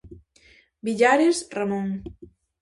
Villares, Ramón.